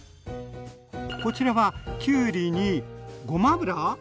こちらはきゅうりにごま油？